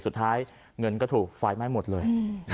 สุดท้ายเงินก็ถูกไฟไหม้หมดเลย